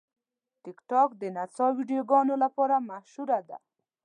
ټیکټاک د نڅا ویډیوګانو لپاره مشهوره ده.